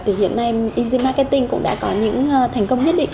thì hiện nay easy marketing cũng đã có những thành công nhất định